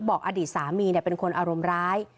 อดีตสามีเป็นคนอารมณ์ร้าย